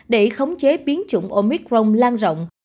để chế biến chủng omicron lan rộng